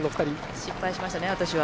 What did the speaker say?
失敗しましたね、私は。